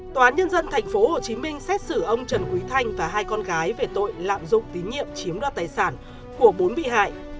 tòa án nhân dân tp hcm xét xử ông trần quý thanh và hai con gái về tội lạm dụng tín nhiệm chiếm đoạt tài sản của bốn bị hại